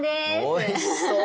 おいしそう！